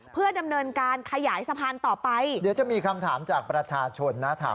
เพื่อดำเนินการขยายสะพานต่อไปเดี๋ยวจะมีคำถามจากประชาชนนะถาม